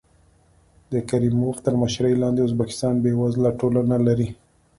د کریموف تر مشرۍ لاندې ازبکستان بېوزله ټولنه لري.